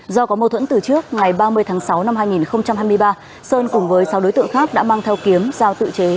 do có mâu thuẫn từ trước ngày ba mươi tháng sáu năm hai nghìn hai mươi ba sơn cùng với sáu đối tượng khác đã mang theo kiếm giao tự chế